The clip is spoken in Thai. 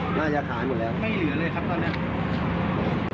ของวัดทองคงคือไม่เหลือเลยครับตอนนี้